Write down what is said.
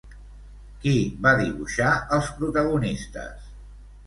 Qui va dibuixar els protagonistes?